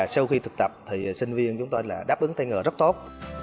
sau khi thực tập sinh viên chúng tôi đáp ứng thay ngờ rất tốt